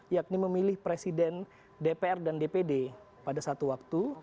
yakni memilih presiden dpr dan dpd pada satu waktu